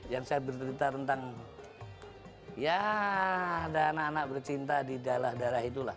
yang saya bercerita tentang ya ada anak anak bercinta di daerah daerah itulah